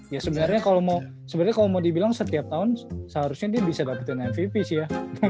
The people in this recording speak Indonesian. ya sebenarnya kalau mau dibilang setiap tahun seharusnya dia bisa dapetin mvp sih ya